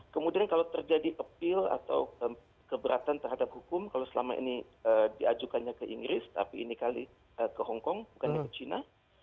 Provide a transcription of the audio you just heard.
kemudian kalau terjadi appeal atau keberatan terhadap hukum kalau selama ini diajukannya ke inggris tapi ini kali ke hongkong bukan ke china